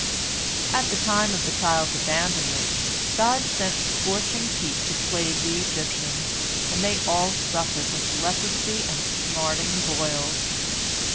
At the time of the child's abandonment, God sent scorching heat to plague the Egyptians, and they all suffered with leprosy and smarting boils.